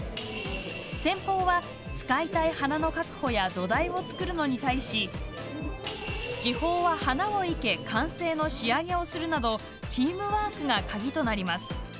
先鋒は使いたい花の確保や土台を作るのに対し次鋒は花を生け完成の仕上げをするなどチームワークが鍵となります。